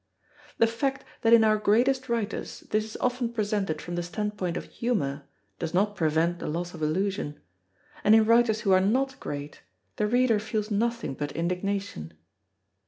The fact that in our greatest writers this is often presented from the standpoint of humour, does not prevent the loss of illusion; and in writers who are not great, the reader feels nothing but indignation.